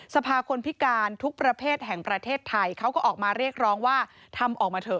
สภาคนพิการทุกประเภทแห่งประเทศไทยเขาก็ออกมาเรียกร้องว่าทำออกมาเถอ